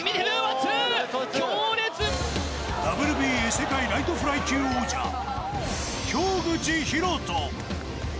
ＷＢＡ世界ライトフライ級王者京口紘人。